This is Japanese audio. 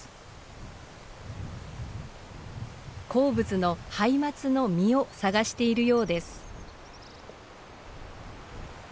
好物のハイマツの実を探しているようです。